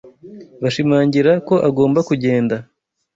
Bashimangira ko agomba kugenda.